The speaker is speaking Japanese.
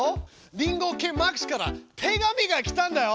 リンゴ犬マックスから手紙が来たんだよ。